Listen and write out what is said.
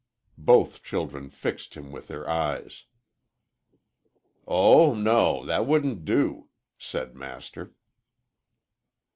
Both children fixed him with their eyes. "Oh no that wouldn't do," said Master.